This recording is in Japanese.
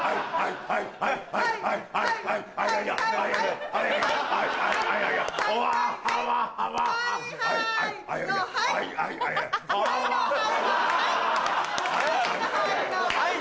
はいのはいのはい！